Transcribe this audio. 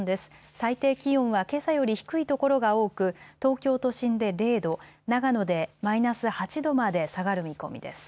最低気温はけさより低いところが多く東京都心で０度、長野でマイナス８度まで下がる見込みです。